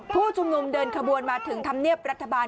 ผู้ชุมนุมเดินขบวนมาถึงธรรมเนียบรัฐบาล